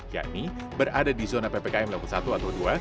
yakni berada di zona ppkm level satu atau dua